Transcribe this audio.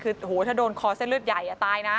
คือถ้าโดนคอเส้นเลือดใหญ่ตายนะ